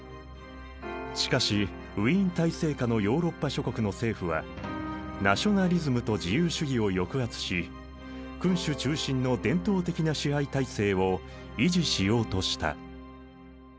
しかしウィーン体制下のヨーロッパ諸国の政府はナショナリズムと自由主義を抑圧し君主中心の伝統的な支配体制を維持しようとした。